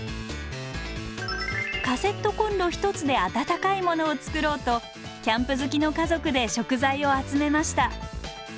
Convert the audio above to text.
カセットコンロ１つで温かいものを作ろうとキャンプ好きの家族で食材を集めました。